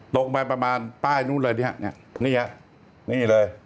ตรงไปประมาณป้ายนู้นเลยเนี่ยนี่ฮะนี่เลย